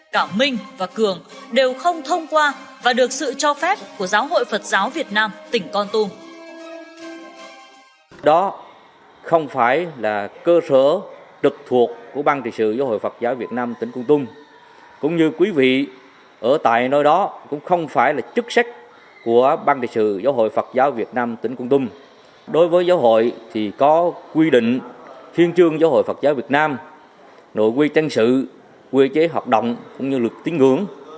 cả minh và cường đều không thông qua và được sự cho phép của giáo hội phật giáo việt nam tỉnh con tung